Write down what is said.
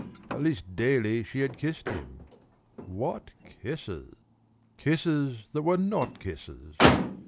At least daily she had kissed him what kisses! Kisses that were not kisses!